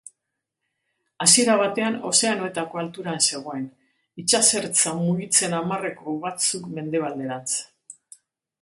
Hasiera batean ozeanoetako altueran zegoen, itsasertza mugitzen hamarreko batzuk mendebalderantz.